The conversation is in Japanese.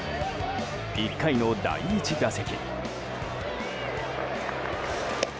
１回の第１打席。